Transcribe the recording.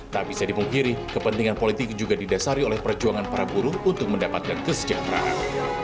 tak bisa dipungkiri kepentingan politik juga didasari oleh perjuangan para buruh untuk mendapatkan kesejahteraan